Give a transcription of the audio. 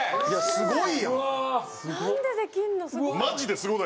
すごい！